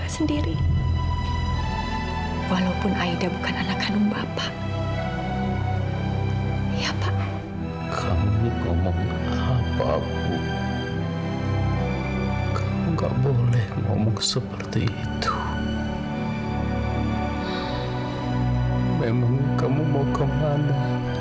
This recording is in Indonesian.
sampai jumpa di video selanjutnya